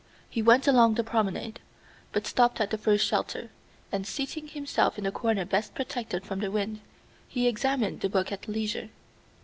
He went along the promenade, but stopped at the first shelter, and seating himself in the corner best protected from the wind, he examined the book at leisure.